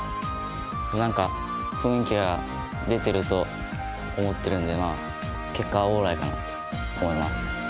何か雰囲気が出てると思ってるんでまあ結果オーライかなと思います。